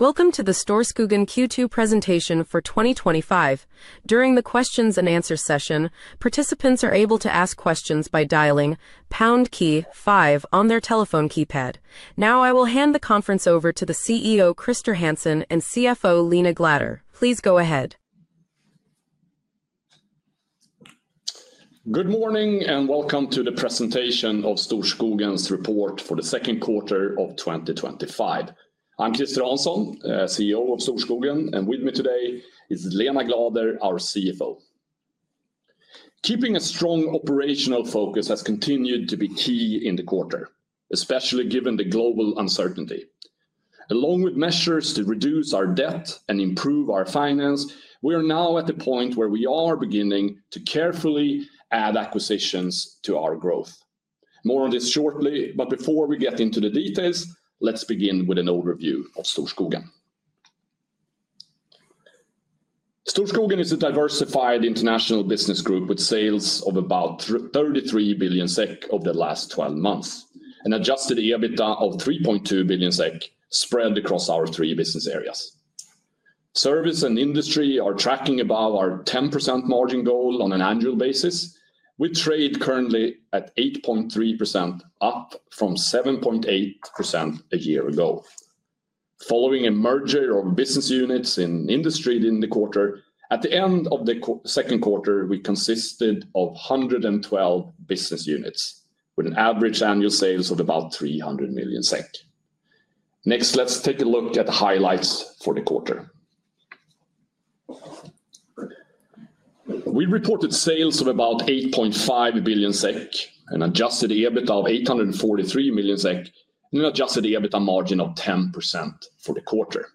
Welcome to the Storskogen Q2 Presentation for 2025. During the questions and answers session, participants are able to ask questions by dialing pound key five on their telephone keypad. Now, I will hand the conference over to the CEO, Christer Hansson, and CFO, Lena Glader. Please go ahead. Good morning and welcome to the Presentation of Storskogen's Report for the Second Quarter of 2025. I'm Christer Hansson, CEO of Storskogen, and with me today is Lena Glader, our CFO. Keeping a strong operational focus has continued to be key in the quarter, especially given the global uncertainty. Along with measures to reduce our debt and improve our finance, we are now at the point where we are beginning to carefully add acquisitions to our growth. More on this shortly, but before we get into the details, let's begin with an overview of Storskogen. Storskogen is a diversified international business group with sales of about 33 billion SEK over the last 12 months and an adjusted EBITDA of 3.2 billion SEK spread across our three business areas. Service and industry are tracking about our 10% margin goal on an annual basis, with trade currently at 8.3%, up from 7.8% a year ago. Following a merger of business units in industry in the quarter, at the end of the second quarter, we consisted of 112 business units with an average annual sales of about 300 million SEK. Next, let's take a look at the highlights for the quarter. We reported sales of about 8.5 billion SEK and an adjusted EBITDA of 843 million SEK and an adjusted EBITDA margin of 10% for the quarter.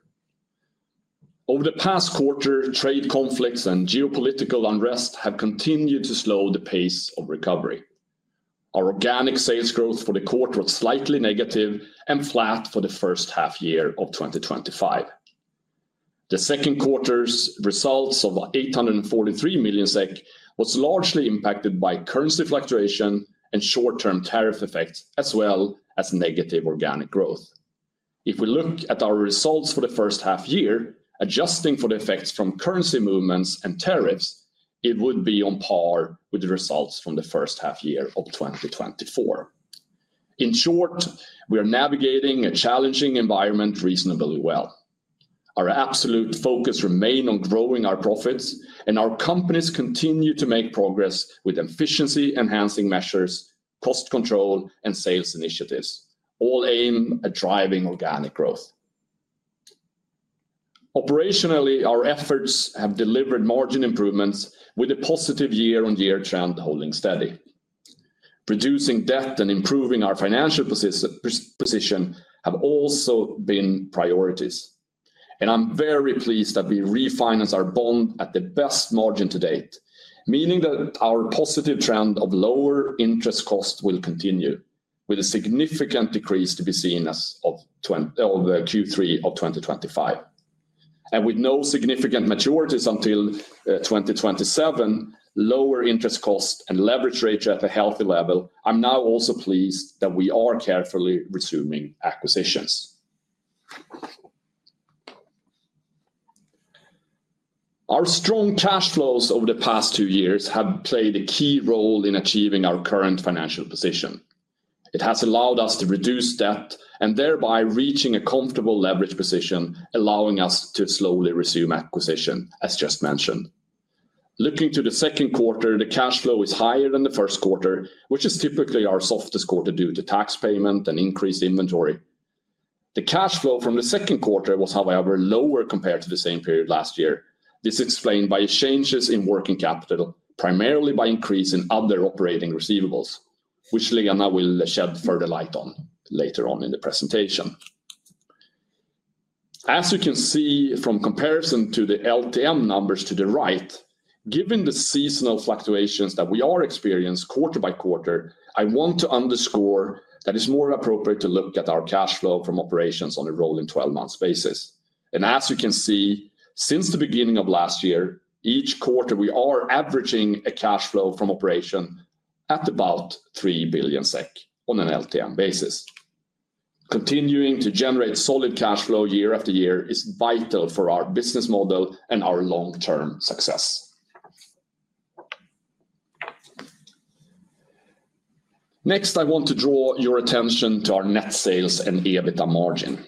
Over the past quarter, trade conflicts and geopolitical unrest have continued to slow the pace of recovery. Our organic sales growth for the quarter was slightly negative and flat for the first half year of 2025. The second quarter's results of 843 million SEK was largely impacted by currency fluctuation and short-term tariff effects, as well as negative organic growth. If we look at our results for the first half year, adjusting for the effects from currency movements and tariffs, it would be on par with the results from the first half year of 2024. In short, we are navigating a challenging environment reasonably well. Our absolute focus remains on growing our profits, and our companies continue to make progress with efficiency-enhancing measures, cost control, and sales initiatives, all aimed at driving organic growth. Operationally, our efforts have delivered margin improvements with a positive year-on-year trend holding steady. Reducing debt and improving our financial position have also been priorities. I'm very pleased that we refinanced our bond at the best margin to date, meaning that our positive trend of lower interest costs will continue, with a significant decrease to be seen as of Q3 of 2025. With no significant maturities until 2027, lower interest costs, and leverage ratios at a healthy level, I'm now also pleased that we are carefully resuming acquisitions. Our strong cash flows over the past two years have played a key role in achieving our current financial position. It has allowed us to reduce debt and thereby reach a comfortable leverage position, allowing us to slowly resume acquisitions, as just mentioned. Looking to the second quarter, the cash flow is higher than the first quarter, which is typically our softest quarter due to tax payment and increased inventory. The cash flow from the second quarter was, however, lower compared to the same period last year. This is explained by changes in working capital, primarily by an increase in other operating receivables, which Lena will shed further light on later on in the presentation. As you can see from comparison to the LTM numbers to the right, given the seasonal fluctuations that we experience quarter by quarter, I want to underscore that it's more appropriate to look at our cash flow from operations on a rolling 12-month basis. As you can see, since the beginning of last year, each quarter we are averaging a cash flow from operation at about 3 billion SEK on an LTM basis. Continuing to generate solid cash flow year after year is vital for our business model and our long-term success. Next, I want to draw your attention to our net sales and EBITDA margin.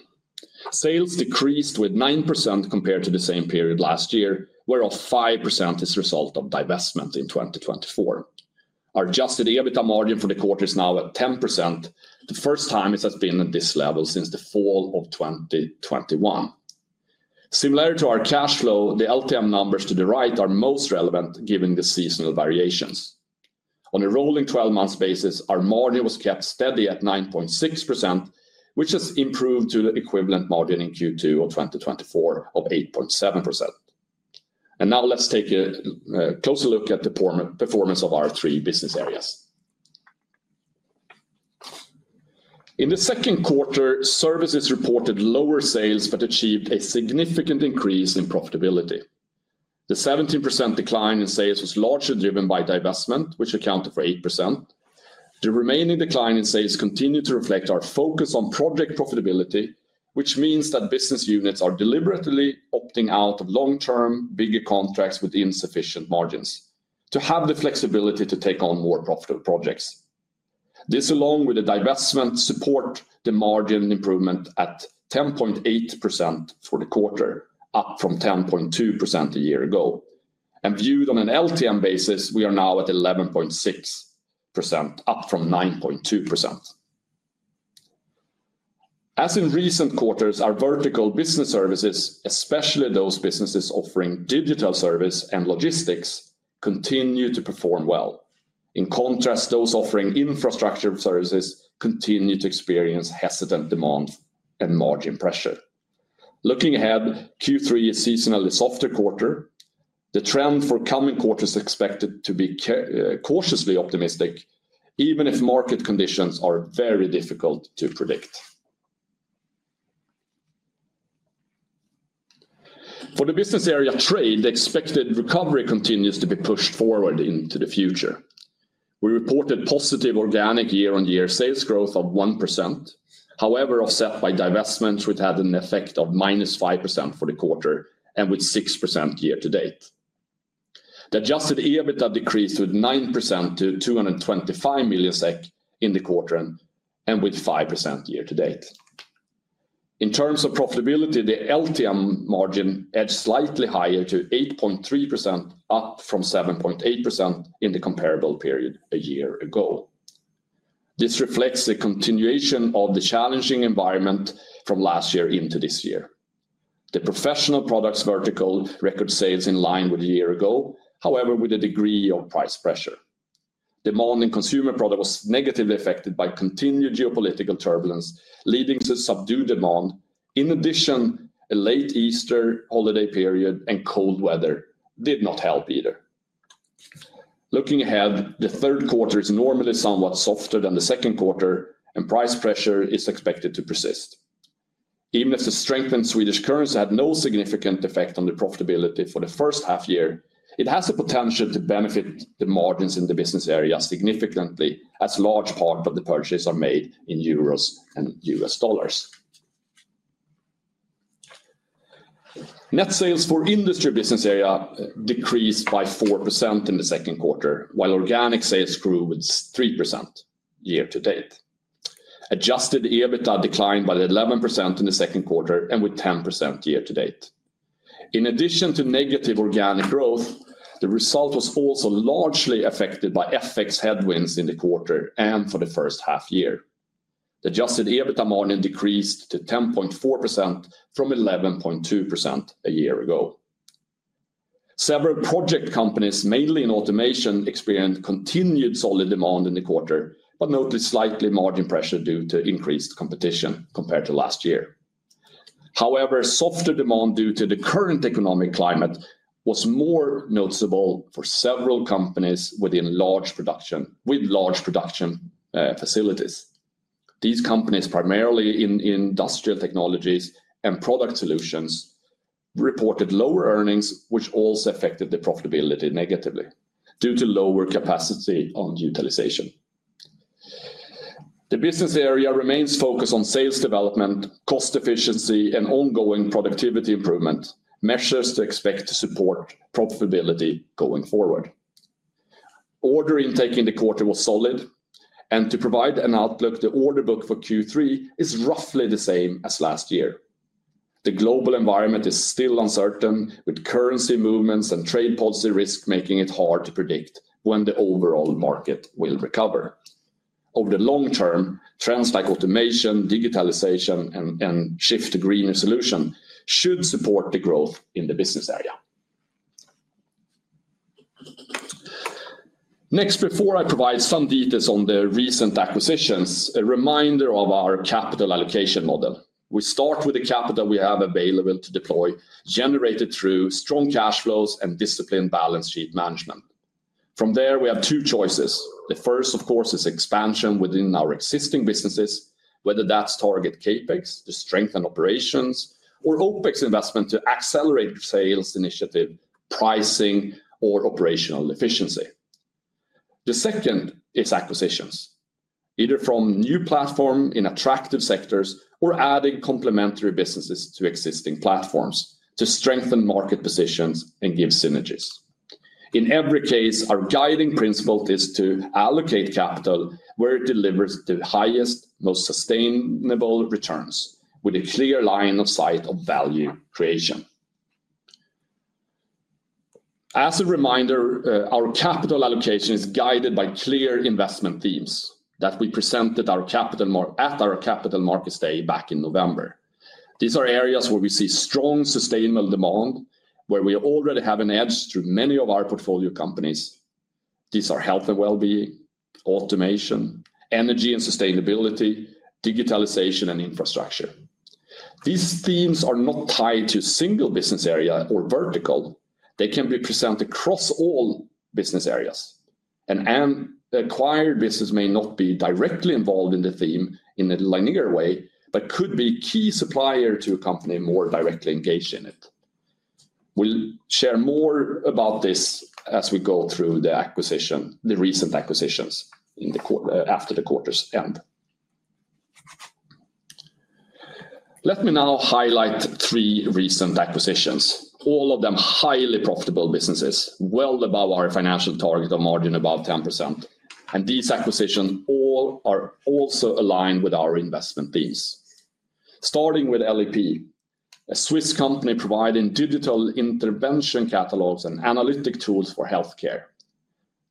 Sales decreased by 9% compared to the same period last year, where 5% is a result of divestment in 2024. Our adjusted EBITDA margin for the quarter is now at 10%, the first time it has been at this level since the fall of 2021. Similar to our cash flow, the LTM numbers to the right are most relevant given the seasonal variations. On a rolling 12-month basis, our margin was kept steady at 9.6%, which has improved to the equivalent margin in Q2 of 2024 of 8.7%. Now let's take a closer look at the performance of our three business areas. In the second quarter, services reported lower sales but achieved a significant increase in profitability. The 17% decline in sales was largely driven by divestment, which accounted for 8%. The remaining decline in sales continued to reflect our focus on project profitability, which means that business units are deliberately opting out of long-term bigger contracts with insufficient margins to have the flexibility to take on more profitable projects. This, along with the divestment, supports the margin improvement at 10.8% for the quarter, up from 10.2% a year ago. Viewed on a LTM basis, we are now at 11.6%, up from 9.2%. As in recent quarters, our vertical business services, especially those businesses offering digitalization services and logistics, continue to perform well. In contrast, those offering infrastructure services continue to experience hesitant demand and margin pressure. Looking ahead, Q3 is a seasonally softer quarter. The trend for the coming quarter is expected to be cautiously optimistic, even if market conditions are very difficult to predict. For the business area trade, the expected recovery continues to be pushed forward into the future. We reported positive organic year-on-year sales growth of 1%. However, offset by divestment, we've had an effect of -5% for the quarter and with 6% year to date. The adjusted EBITDA decreased by 9% to 225 million SEK in the quarter and by 5% year to date. In terms of profitability, the LTM margin edged slightly higher to 8.3%, up from 7.8% in the comparable period a year ago. This reflects the continuation of the challenging environment from last year into this year. The professional products vertical recorded sales in line with a year ago, however, with a degree of price pressure. Demand in consumer products was negatively affected by continued geopolitical turbulence, leading to subdued demand. In addition, the late Easter holiday period and cold weather did not help either. Looking ahead, the third quarter is normally somewhat softer than the second quarter, and price pressure is expected to persist. Even if the strengthened Swedish currency had no significant effect on the profitability for the first half year, it has the potential to benefit the margins in the business area significantly, as a large part of the purchases are made in Euros and U.S. dollars. Net sales for the industry business area decreased by 4% in the second quarter, while organic sales grew by 3% year to date. Adjusted EBITDA declined by 11% in the second quarter and by 10% year to date. In addition to negative organic growth, the result was also largely affected by FX headwinds in the quarter and for the first half year. The adjusted EBITDA margin decreased to 10.4% from 11.2% a year ago. Several project companies, mainly in automation solutions, experienced continued solid demand in the quarter, but notably slight margin pressure due to increased competition compared to last year. However, softer demand due to the current economic climate was more noticeable for several companies within large production facilities. These companies, primarily in industrial technologies and product solutions, reported lower earnings, which also affected the profitability negatively due to lower capacity on utilization. The business area remains focused on sales development, cost efficiency, and ongoing productivity improvement, measures expected to support profitability going forward. Order intake in the quarter was solid, and to provide an outlook, the order book for Q3 is roughly the same as last year. The global environment is still uncertain, with currency movements and trade policy risk making it hard to predict when the overall market will recover. Over the long term, trends like automation, digitalization, and the shift to greener solutions should support the growth in the business area. Next, before I provide some details on the recent acquisitions, a reminder of our capital allocation model. We start with the capital we have available to deploy, generated through strong cash flows and disciplined balance sheet management. From there, we have two choices. The first, of course, is expansion within our existing businesses, whether that's target CapEx to strengthen operations or OpEx investment to accelerate sales initiative, pricing, or operational efficiency. The second is acquisitions, either from new platforms in attractive sectors or adding complementary businesses to existing platforms to strengthen market positions and give synergies. In every case, our guiding principle is to allocate capital where it delivers the highest, most sustainable returns with a clear line of sight of value creation. As a reminder, our capital allocation is guided by clear investment themes that we presented at our Capital Markets Day back in November. These are areas where we see strong sustainable demand, where we already have an edge through many of our portfolio companies. These are health and well-being, automation, energy and sustainability, digitalization, and infrastructure. These themes are not tied to a single business area or vertical. They can be presented across all business areas, and an acquired business may not be directly involved in the theme in a linear way, but could be a key supplier to a company more directly engaged in it. We'll share more about this as we go through the recent acquisitions after the quarter's end. Let me now highlight three recent acquisitions, all of them highly profitable businesses, well above our financial target of margin above 10%. These acquisitions all are also aligned with our investment themes. Starting with LEP, a Swiss company providing digital intervention catalogs and analytic tools for healthcare.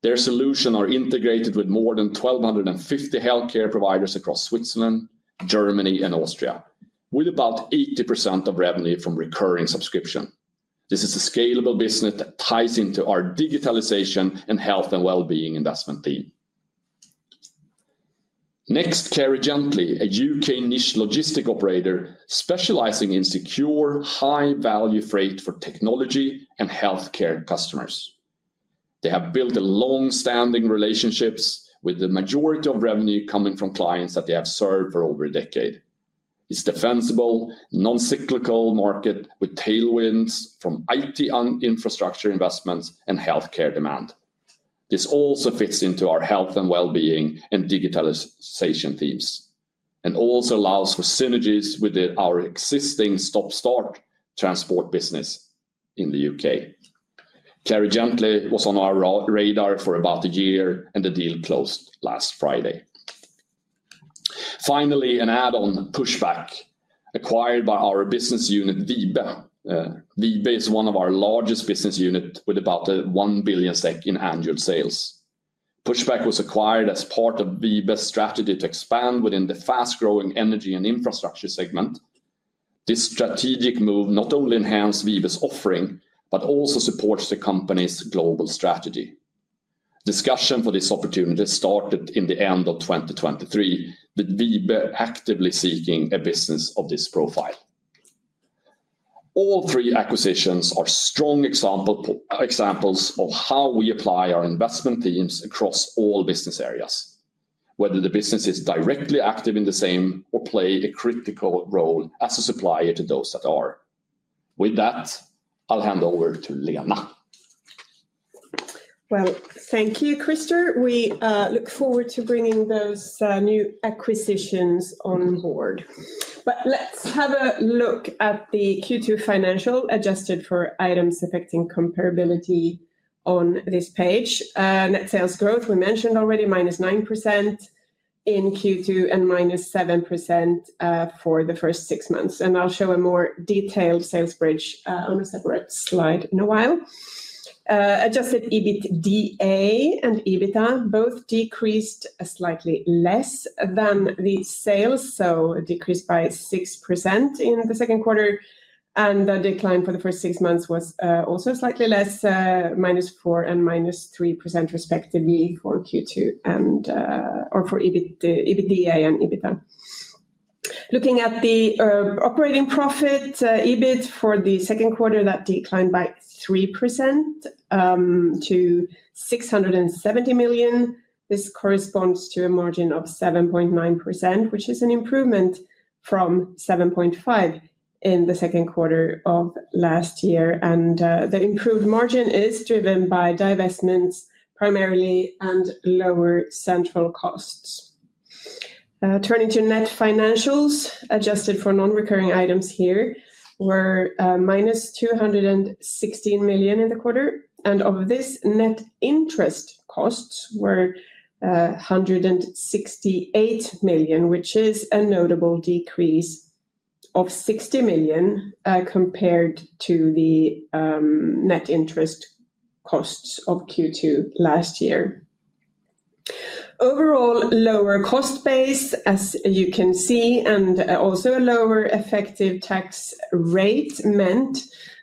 Their solutions are integrated with more than 1,250 healthcare providers across Switzerland, Germany, and Austria, with about 80% of revenue from recurring subscription. This is a scalable business that ties into our digitalization and health and well-being investment theme. Next, Carry Gently, a UK niche logistics operator specializing in secure high-value freight for technology and healthcare customers. They have built longstanding relationships with the majority of revenue coming from clients that they have served for over a decade. It's a defensible, non-cyclical market with tailwinds from IT infrastructure investments and healthcare demand. This also fits into our health and well-being and digitalization themes and also allows for synergies with our existing stop-start transport business in the U.K. Carry Gently was on our radar for about a year, and the deal closed last Friday. Finally, an add-on: Pushpak, acquired by our business unit Wibe. Wibe is one of our largest business units with about 1 billion SEK in annual sales. Pushpak was acquired as part of Wibe's strategy to expand within the fast-growing energy and infrastructure segment. This strategic move not only enhanced Wibe's offering but also supports the company's global strategy. Discussion for this opportunity started in the end of 2023, with Wibe actively seeking a business of this profile. All three acquisitions are strong examples of how we apply our investment themes across all business areas, whether the business is directly active in the same or plays a critical role as a supplier to those that are. With that, I'll hand over to Lena. Thank you, Christer. We look forward to bringing those new acquisitions on board. Let's have a look at the Q2 financial adjusted for items affecting comparability on this page. Net sales growth, we mentioned already, -9% in Q2 and -7% for the first six months. I'll show a more detailed sales bridge on a separate slide in a while. Adjusted EBITDA and EBITDA both decreased slightly less than the sales, so decreased by 6% in the second quarter. The decline for the first six months was also slightly less, -4% and -3% respectively for EBITDA and EBITDA. Looking at the operating profit, EBIT for the second quarter, that declined by 3% to 670 million. This corresponds to a margin of 7.9%, which is an improvement from 7.5% in the second quarter of last year. The improved margin is driven by divestments primarily and lower central costs. Turning to net financials, adjusted for non-recurring items here were -216 million in the quarter. Of this, net interest costs were 168 million, which is a notable decrease of 60 million compared to the net interest costs of Q2 last year. Overall, lower cost base, as you can see, and also a lower effective tax rate meant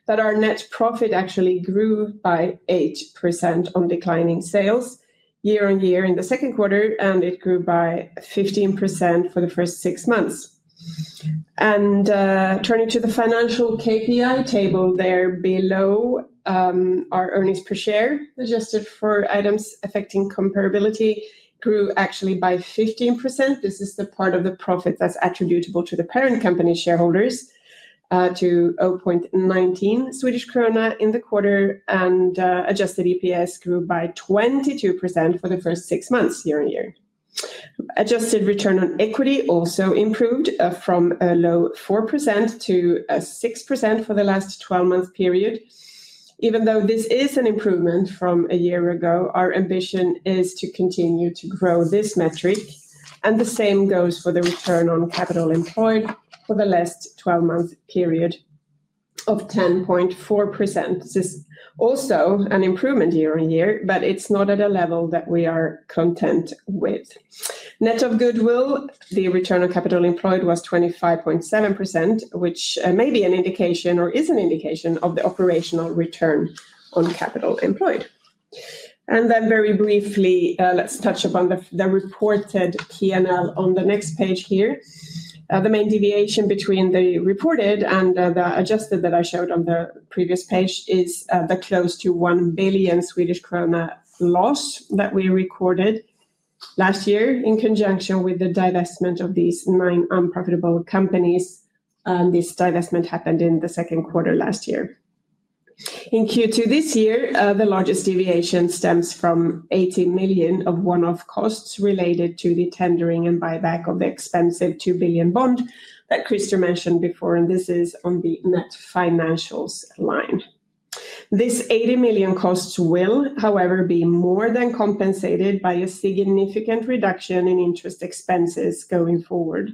that our net profit actually grew by 8% on declining sales year on year in the second quarter, and it grew by 15% for the first six months. Turning to the financial KPI table there below, our earnings per share adjusted for items affecting comparability grew actually by 15%. This is the part of the profits that's attributable to the parent company shareholders to 0.19 Swedish krona in the quarter, and adjusted EPS grew by 22% for the first six months year on year. Adjusted return on equity also improved from a low 4% to 6% for the last 12-month period. Even though this is an improvement from a year ago, our ambition is to continue to grow this metric. The same goes for the return on capital employed for the last 12-month period of 10.4%. This is also an improvement year on year, but it's not at a level that we are content with. Net of goodwill, the return on capital employed was 25.7%, which may be an indication or is an indication of the operational return on capital employed. Very briefly, let's touch upon the reported P&L on the next page here. The main deviation between the reported and the adjusted that I showed on the previous page is the close to 1 billion Swedish krona loss that we recorded last year in conjunction with the divestment of these nine unprofitable companies. This divestment happened in the second quarter last year. In Q2 this year, the largest deviation stems from 80 million of one-off costs related to the tendering and buyback of the expensive 2 billion bond that Christer mentioned before. This is on the net financials line. This 80 million cost will, however, be more than compensated by a significant reduction in interest expenses going forward.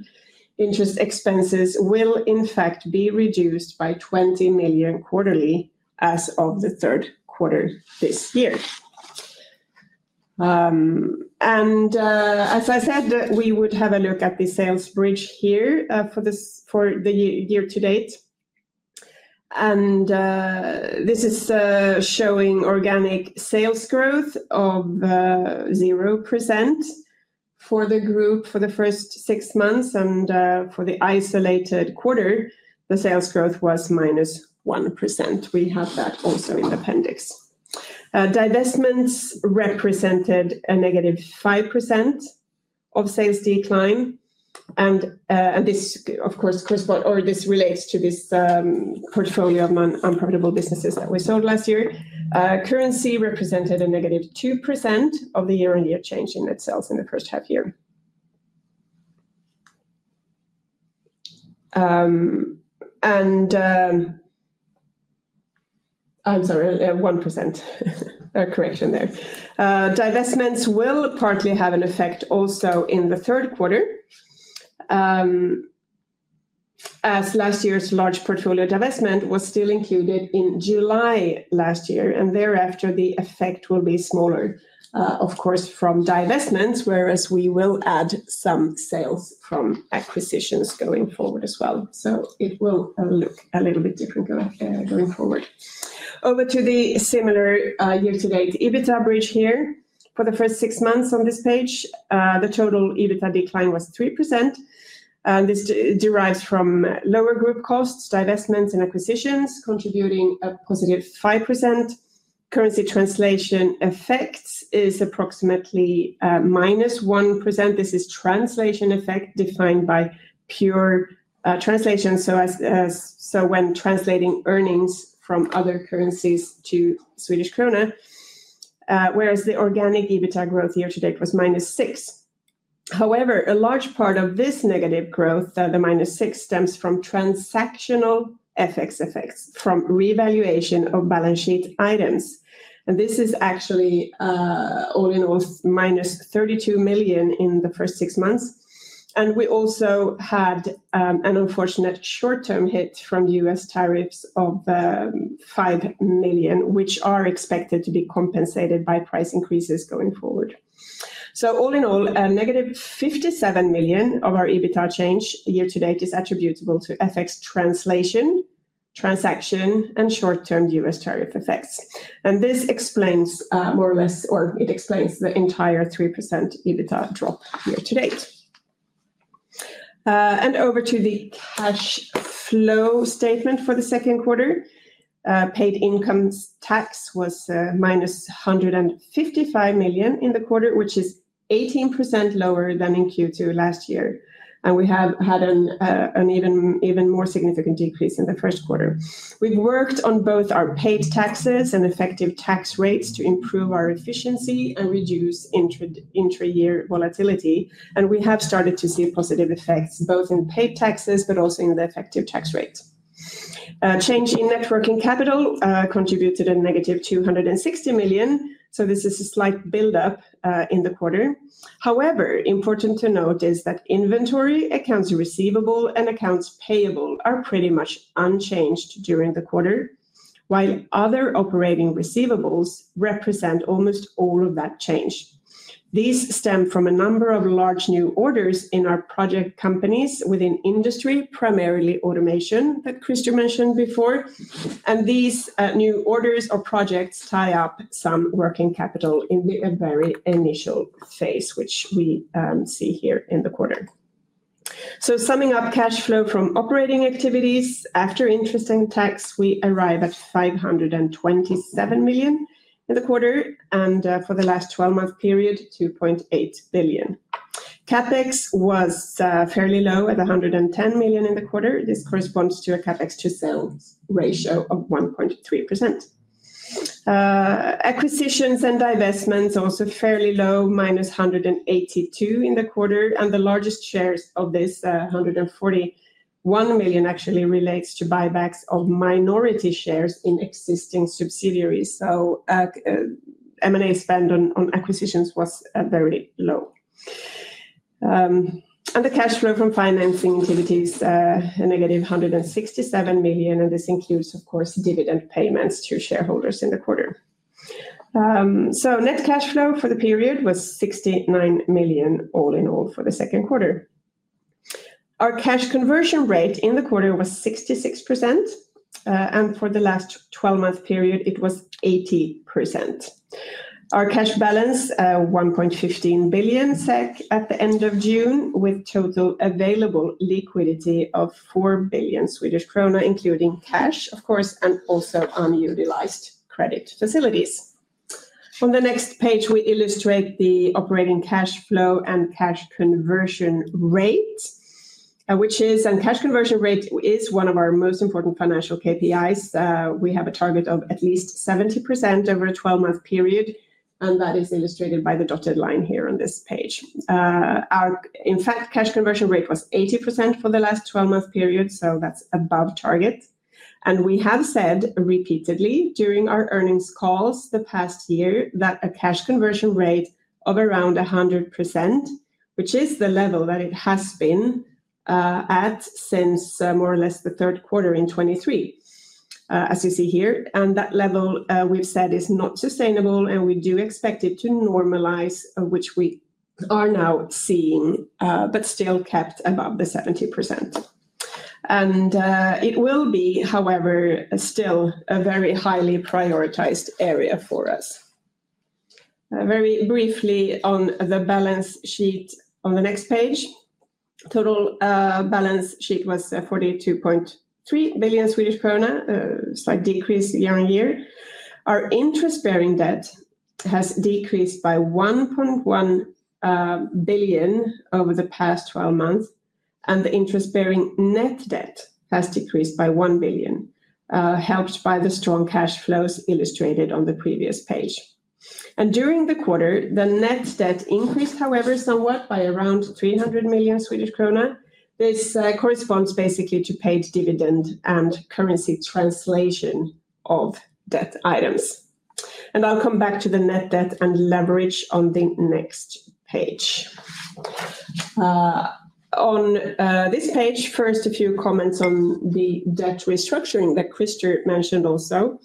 Interest expenses will, in fact, be reduced by 20 million quarterly as of the third quarter this year. As I said, we would have a look at the sales bridge here for the year to date. This is showing organic sales growth of 0% for the group for the first six months. For the isolated quarter, the sales growth was -1%. We have that also in the appendix. Divestments represented a -5% of sales decline. This, of course, relates to this portfolio of unprofitable businesses that we saw last year. Currency represented a -2% of the year-on-year change in net sales in the first half year. I'm sorry, 1% correction there. Divestments will partly have an effect also in the third quarter, as last year's large portfolio divestment was still included in July last year. Thereafter, the effect will be smaller, of course, from divestments, whereas we will add some sales from acquisitions going forward as well. It will look a little bit different going forward. Over to the similar year-to-date EBITDA bridge here for the first six months on this page, the total EBITDA decline was 3%. This derives from lower group costs, divestments, and acquisitions contributing a positive 5%. Currency translation effects is approximately -1%. This is translation effect defined by pure translation, so when translating earnings from other currencies to Swedish krona, whereas the organic EBITDA growth year to date was -6%. However, a large part of this negative growth, the -6%, stems from transactional FX effects from revaluation of balance sheet items. This is actually all in all -32 million in the first six months. We also had an unfortunate short-term hit from the U.S. tariffs of 5 million, which are expected to be compensated by price increases going forward. All in all, a -57 million of our EBITDA change year to date is attributable to FX translation, transaction, and short-term U.S. tariff effects. This explains more or less, or it explains the entire 3% EBITDA drop year to date. Over to the cash flow statement for the second quarter, paid income tax was -155 million in the quarter, which is 18% lower than in Q2 last year. We have had an even more significant decrease in the first quarter. We've worked on both our paid taxes and effective tax rates to improve our efficiency and reduce intra-year volatility. We have started to see positive effects both in paid taxes but also in the effective tax rate. Change in net working capital contributed a -260 million. This is a slight buildup in the quarter. However, important to note is that inventory, accounts receivable, and accounts payable are pretty much unchanged during the quarter, while other operating receivables represent almost all of that change. These stem from a number of large new orders in our project companies within industry, primarily automation that Christer mentioned before. These new orders or projects tie up some working capital in a very initial phase, which we see here in the quarter. Summing up cash flow from operating activities after interest and tax, we arrive at 527 million in the quarter. For the last 12-month period, 2.8 billion. CapEx was fairly low at 110 million in the quarter. This corresponds to a CapEx to sales ratio of 1.3%. Acquisitions and divestments are also fairly low, -182 million in the quarter. The largest shares of this, 141 million, actually relates to buybacks of minority shares in existing subsidiaries. M&A spend on acquisitions was very low. The cash flow from financing activities, a -167 million. This includes, of course, dividend payments to shareholders in the quarter. Net cash flow for the period was 69 million all in all for the second quarter. Our cash conversion rate in the quarter was 66%. For the last 12-month period, it was 80%. Our cash balance, 1.15 billion SEK at the end of June, with total available liquidity of 4 billion Swedish krona, including cash, of course, and also unutilized credit facilities. From the next page, we illustrate the operating cash flow and cash conversion rate, which is, and cash conversion rate is one of our most important financial KPIs. We have a target of at least 70% over a 12-month period. That is illustrated by the dotted line here on this page. In fact, cash conversion rate was 80% for the last 12-month period. That's above target. We have said repeatedly during our earnings calls the past year that a cash conversion rate of around 100%, which is the level that it has been at since more or less the third quarter in 2023, as you see here. That level we've said is not sustainable. We do expect it to normalize, which we are now seeing, but still kept above the 70%. It will be, however, still a very highly prioritized area for us. Very briefly on the balance sheet on the next page, total balance sheet was 42.3 billion Swedish krona, a slight decrease year on year. Our interest-bearing debt has decreased by 1.1 billion over the past 12 months. The interest-bearing net debt has decreased by 1 billion, helped by the strong cash flows illustrated on the previous page. During the quarter, the net debt increased, however, somewhat by around 300 million Swedish krona. This corresponds basically to paid dividend and currency translation of debt items. I'll come back to the net debt and leverage on the next page. On this page, first, a few comments on the debt restructuring that Christer mentioned also.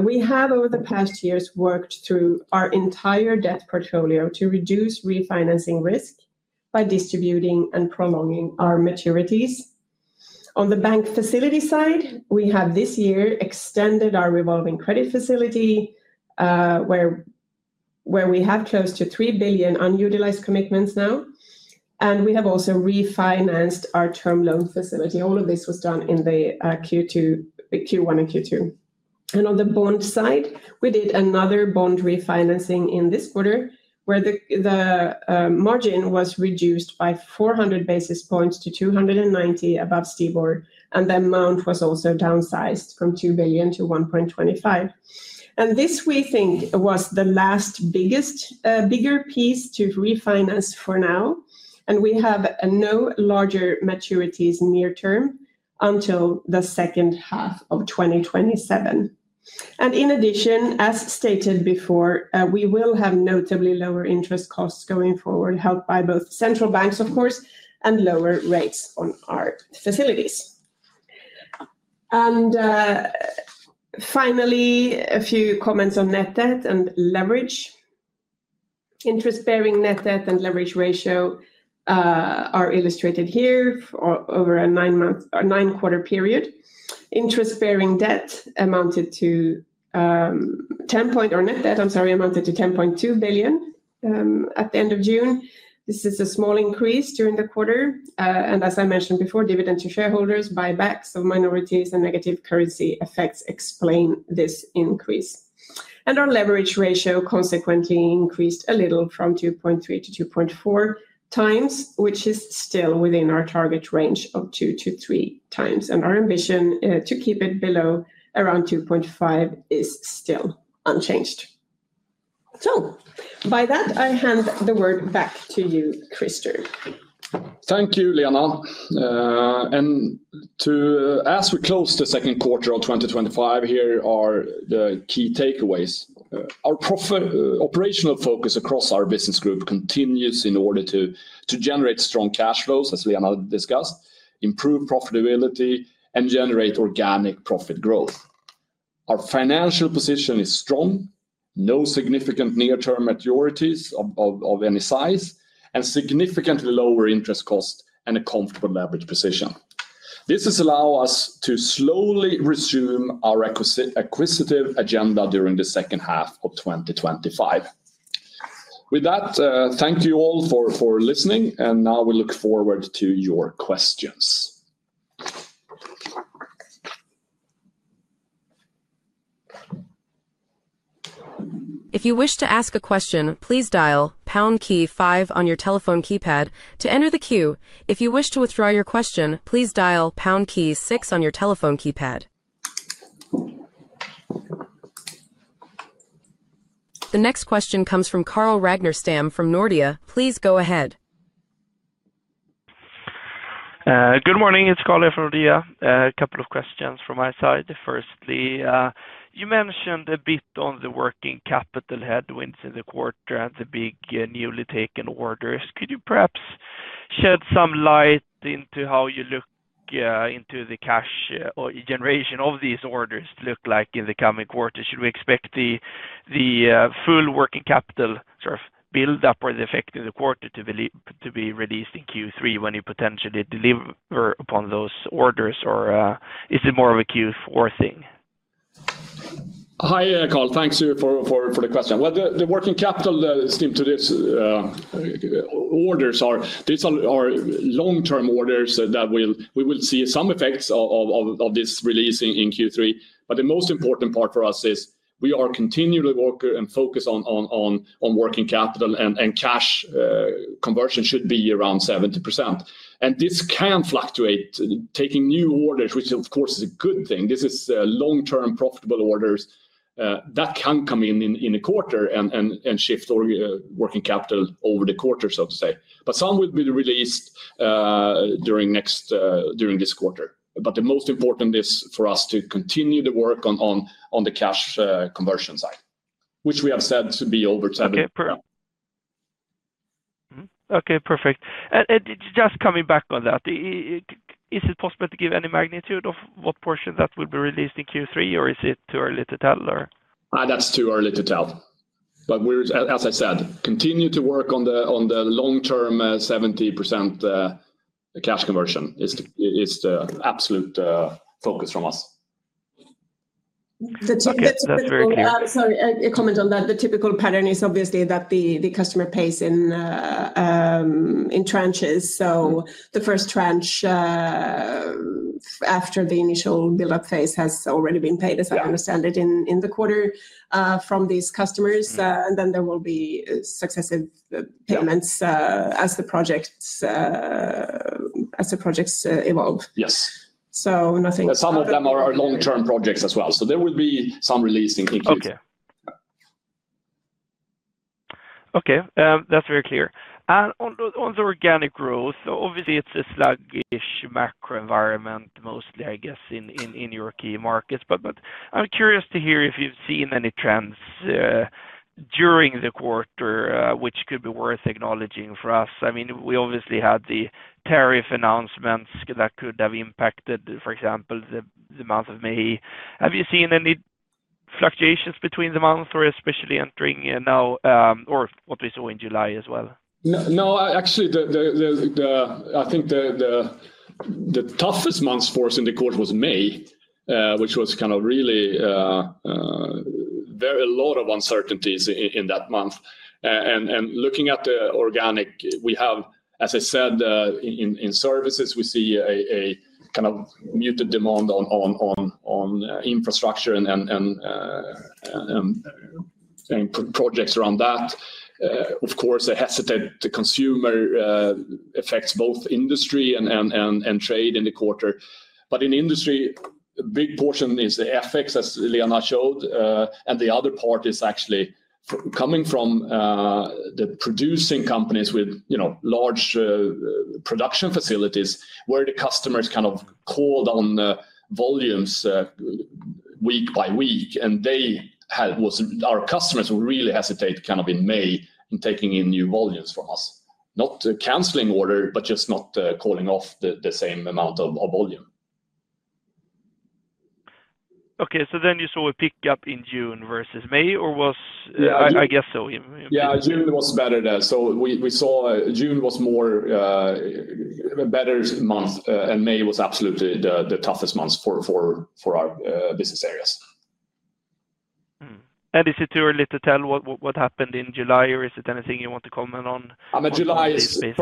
We have over the past years worked through our entire debt portfolio to reduce refinancing risk by distributing and prolonging our maturities. On the bank facility side, we have this year extended our revolving credit facility, where we have close to 3 billion unutilized commitments now. We have also refinanced our term loan facility. All of this was done in Q1 and Q2. On the bond side, we did another bond refinancing in this quarter, where the margin was reduced by 400 basis points to 290 basis points above Stibor. The amount was also downsized from 2 billion to 1.25 billion. This, we think, was the last bigger piece to refinance for now. We have no larger maturities near term until the second half of 2027. In addition, as stated before, we will have notably lower interest costs going forward, helped by both central banks, of course, and lower rates on our facilities. Finally, a few comments on net debt and leverage. Interest-bearing net debt and leverage ratio are illustrated here over a nine-quarter period. Interest-bearing net debt amounted to 10.2 billion at the end of June. This is a small increase during the quarter. As I mentioned before, dividends to shareholders, buybacks of minorities, and negative currency effects explain this increase. Our leverage ratio consequently increased a little from 2.3x to 2.4x, which is still within our target range of 2x-3x. Our ambition to keep it below around 2.5x is still unchanged. By that, I hand the word back to you, Christer. Thank you, Lena. As we close the second quarter of 2025, here are the key takeaways. Our operational focus across our business group continues in order to generate strong cash flows, as Lena discussed, improve profitability, and generate organic profit growth. Our financial position is strong, with no significant near-term maturities of any size, significantly lower interest costs, and a comfortable leverage position. This has allowed us to slowly resume our acquisitive agenda during the second half of 2025. Thank you all for listening. We look forward to your questions. If you wish to ask a question, please dial pound key five on your telephone keypad to enter the queue. If you wish to withdraw your question, please dial pound key six on your telephone keypad. The next question comes from Carl Ragnerstam from Nordea. Please go ahead. Good morning. It's Carl from Nordea. A couple of questions from my side. Firstly, you mentioned a bit on the working capital headwinds in the quarter and the big newly taken orders. Could you perhaps shed some light into how you look into the cash generation of these orders look like in the coming quarter? Should we expect the full working capital sort of buildup or the effect in the quarter to be released in Q3 when you potentially deliver upon those orders, or is it more of a Q4 thing? Hi, Carl. Thanks for the question. The working capital stream to these orders are long-term orders that we will see some effects of this releasing in Q3. The most important part for us is we are continually working and focusing on working capital, and cash conversion should be around 70%. This can fluctuate, taking new orders, which, of course, is a good thing. This is long-term profitable orders that can come in in a quarter and shift working capital over the quarter, so to say. Some will be released during this quarter. The most important is for us to continue the work on the cash conversion side, which we have said should be over. OK, perfect. Just coming back on that, is it possible to give any magnitude of what portion that will be released in Q3, or is it too early to tell? That's too early to tell. As I said, we continue to work on the long-term 70% cash conversion, which is the absolute focus from us. Sorry, a comment on that. The typical pattern is obviously that the customer pays in tranches. The first tranche after the initial buildup phase has already been paid, as I understand it, in the quarter from these customers. There will be successive payments as the projects evolve. Yes. So nothing. Some of them are long-term projects as well, so there will be some releasing in Q3. OK, that's very clear. On the organic growth, obviously, it's a sluggish macro environment mostly, I guess, in your key markets. I'm curious to hear if you've seen any trends during the quarter which could be worth acknowledging for us. I mean, we obviously had the tariff announcements that could have impacted, for example, the month of May. Have you seen any fluctuations between the months, or especially entering now, or what we saw in July as well? No, actually, I think the toughest month for us in the quarter was May, which was really a lot of uncertainties in that month. Looking at the organic, we have, as I said, in services, we see a kind of muted demand on infrastructure and projects around that. Of course, the hesitant consumer affects both industry and trade in the quarter. In industry, a big portion is the FX, as Lena showed. The other part is actually coming from the producing companies with large production facilities where the customers called on volumes week by week. They had our customers who really hesitate in May in taking in new volumes from us, not canceling orders, but just not calling off the same amount of volume. OK, you saw a pickup in June versus May, or was I guess so. Yeah, June was better. We saw June was a better month, and May was absolutely the toughest month for our business areas. Is it too early to tell what happened in July, or is it anything you want to comment on? July is a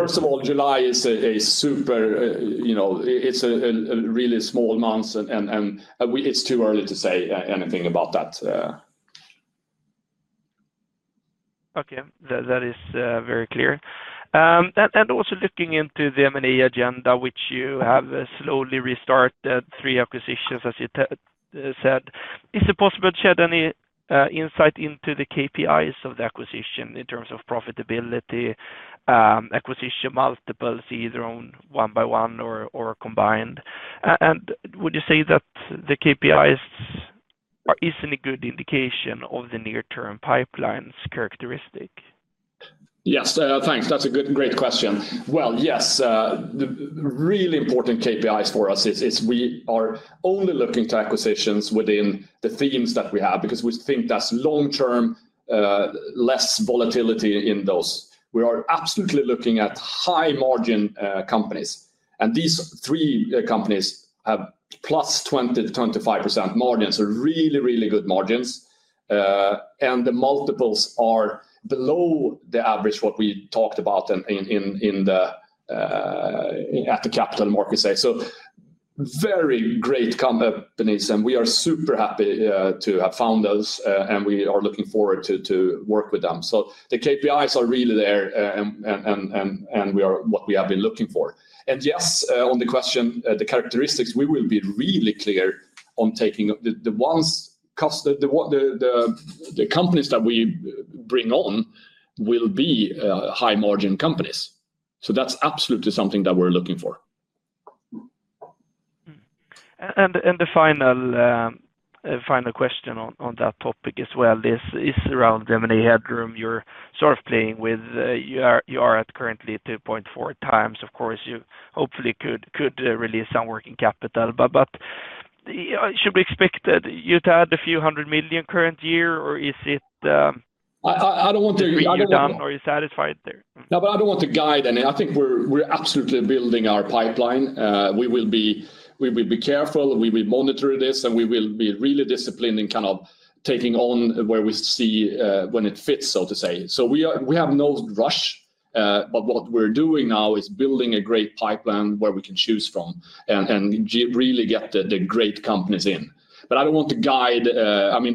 really small month, and it's too early to say anything about that. OK, that is very clear. Also, looking into the M&A agenda, which you have slowly restarted, three acquisitions, as you said, is it possible to shed any insight into the KPIs of the acquisition in terms of profitability, acquisition multiples, either owned one by one or combined? Would you say that the KPIs are a good indication of the near-term pipeline's characteristic? Yes, thanks. That's a great question. The really important KPIs for us is we are only looking to acquisitions within the themes that we have because we think that's long-term, less volatility in those. We are absolutely looking at high-margin companies. These three companies have +20%-25% margins, so really, really good margins. The multiples are below the average what we talked about at the Capital Markets Day. Very great companies, and we are super happy to have found those. We are looking forward to work with them. The KPIs are really there, and we are what we have been looking for. Yes, on the question, the characteristics, we will be really clear on taking the ones the companies that we bring on will be high-margin companies. That's absolutely something that we're looking for. The final question on that topic as well is around the M&A headroom you're sort of playing with. You are at currently 2.4x. Of course, you hopefully could release some working capital. Should we expect that you'd add a few hundred million current year, or is it? I don't want to. Are you done, or are you satisfied there? No, but I don't want to guide any. I think we're absolutely building our pipeline. We will be careful. We will monitor this, and we will be really disciplined in kind of taking on where we see when it fits, so to say. We have no rush. What we're doing now is building a great pipeline where we can choose from and really get the great companies in. I don't want to guide. I mean,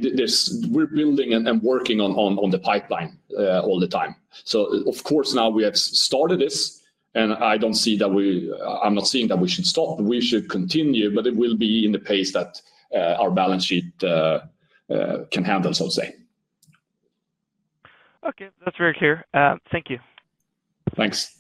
we're building and working on the pipeline all the time. Of course, now we have started this, and I don't see that we should stop. We should continue, but it will be in the pace that our balance sheet can handle, so to say. OK, that's very clear. Thank you. Thanks.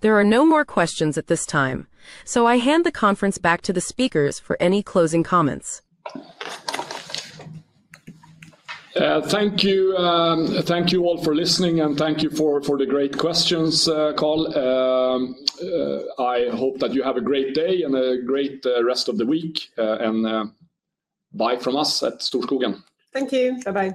There are no more questions at this time. I hand the conference back to the speakers for any closing comments. Thank you. Thank you all for listening, and thank you for the great questions, Carl. I hope that you have a great day and a great rest of the week. Bye from us at Storskogen. Thank you. Bye-bye.